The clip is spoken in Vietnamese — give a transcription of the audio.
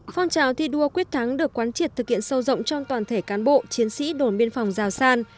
phong trào thi đua quyết thắng được quán triệt thực hiện sâu rộng trong toàn thể cán bộ chiến sĩ đồn biên phòng giào san